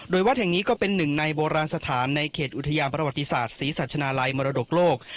โดยวัดแห่งนี้ก็เป็นหนึ่งในโบราณสถานในเขตอุทยานประวัติศาสตร์ศรีสัชนาลัยมรดกโลก